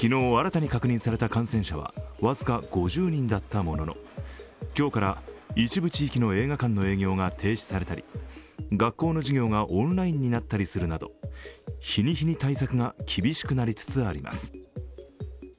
昨日、新たに確認された感染者は僅か５０人だったものの今日から一部地域の映画館の営業が停止されたり学校の授業がオンラインになったりするなど、日に日に対策が厳しくなりつつあります。